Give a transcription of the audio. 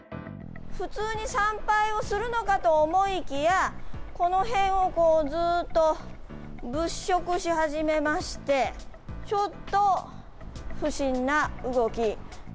普通に参拝をするのかと思いきや、この辺をずっと物色し始めまして、ちょっと不審な動き。